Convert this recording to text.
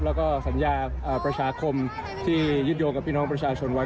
แล้วก็สัญญาประชาคมที่ยึดโยงกับพี่น้องประชาชนไว้